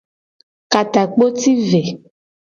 Ka takpo ci ve.